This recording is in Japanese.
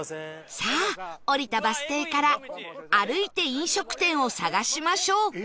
さあ降りたバス停から歩いて飲食店を探しましょう